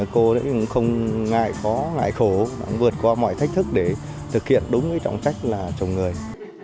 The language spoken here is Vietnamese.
cô cũng không ngại khó ngại khổ vượt qua mọi thách thức để thực hiện đúng cái trọng trách là chồng người